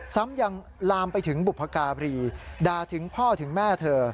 ซ้ำยังลามไปถึงบุพการีด่าถึงพ่อถึงแม่เธอ